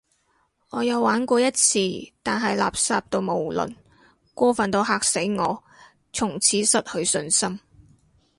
我有玩過一次，但係垃圾到無倫，過份到嚇死我，從此失去信心